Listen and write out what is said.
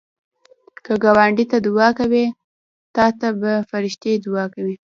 که ګاونډي ته دعا کوې، تا ته به فرښتې دعا کوي